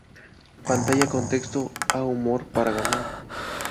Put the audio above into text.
Pantalla con texto, a humor para ganar.